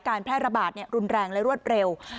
แพร่ระบาดรุนแรงและรวดเร็ว